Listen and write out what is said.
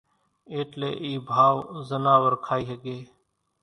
ايٽلي اِي ڀائو زناور کائي ۿڳي